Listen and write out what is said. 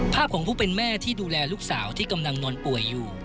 ของผู้เป็นแม่ที่ดูแลลูกสาวที่กำลังนอนป่วยอยู่